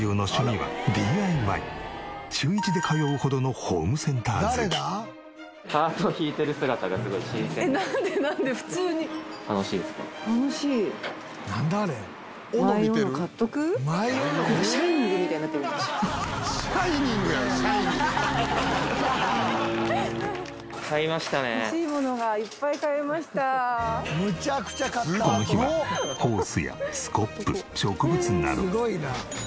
この日はホースやスコップ植物など。